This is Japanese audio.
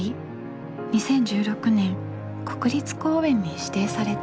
２０１６年国立公園に指定された。